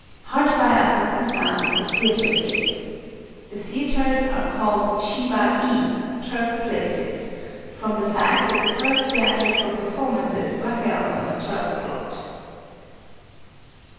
Hard by Asakusa is the theatre street. The theatres are called Shiba i, "turf places," from the fact that the first theatrical performances were held on a turf plot.